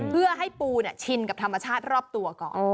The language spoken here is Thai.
เพื่อให้ปูชินกับธรรมชาติรอบตัวก่อน